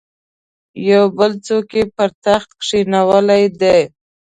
یو بل څوک یې پر تخت کښېنولی دی.